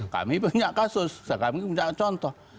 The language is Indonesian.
kami punya kasus kami punya contoh